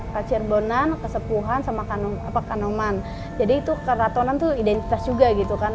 kacirbonan kesepuhan sama kanoman jadi itu keratonan itu identitas juga gitu kan